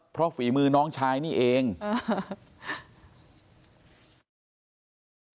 เพราะฝีมือน้องชายนี่เองอ่า